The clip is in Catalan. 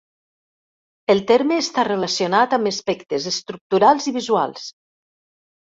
El terme està relacionat amb aspectes estructurals i visuals.